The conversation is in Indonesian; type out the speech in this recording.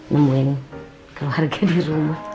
nemuin keluarga di rumah